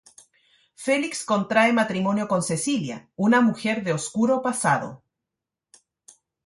Felix contrae matrimonio con Cecilia, una mujer de oscuro pasado.